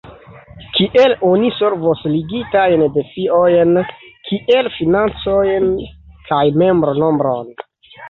Kiel oni solvos ligitajn defiojn kiel financojn kaj membronombron?